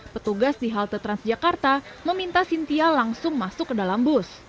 petugas di halte transjakarta meminta cynthia langsung masuk ke dalam bus